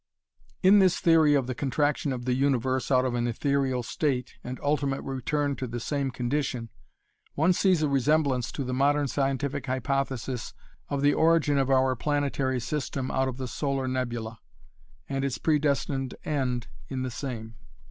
In this theory of the contraction of the universe out of an ethereal state and ultimate return to the same condition one sees a resemblance to the modern scientific hypothesis of the origin of our planetary system out of the solar nebula, and its predestined end in the same.